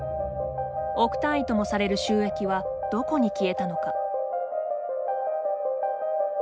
億単位ともされる収益はどこに消えたのか。